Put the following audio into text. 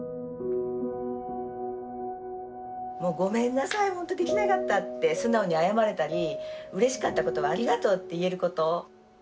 もう「ごめんなさいほんとできなかった」って素直に謝れたりうれしかったことは「ありがとう」って言えること。